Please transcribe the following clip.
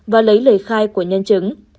và lấy lời khai của nhân chứng